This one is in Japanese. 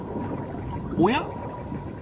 おや？